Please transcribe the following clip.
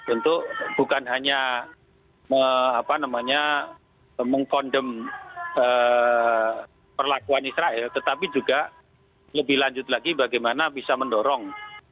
untuk bukan hanya mengkondem perlakuan israel tetapi juga lebih lanjut lagi bagaimana bisa mendorong